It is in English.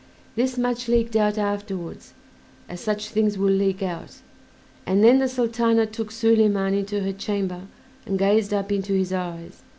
This much leaked out afterwards, as such things will leak out, and then the Sultana took Soliman into her chamber and gazed up into his eyes.